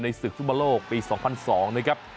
ในศึกทุ่มาโลกปี๒๐๐๒นะครับ